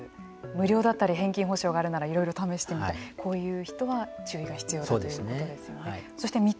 無料だったり返金保証があるならいろいろ試してみたいこういう人は注意が必要だということですよね。